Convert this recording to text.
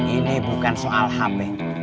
ini bukan soal hape